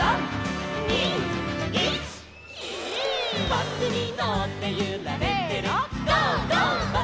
「バスにのってゆられてる」せの！